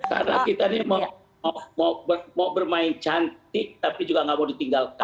karena kita ini mau bermain cantik tapi juga gak mau ditinggalkan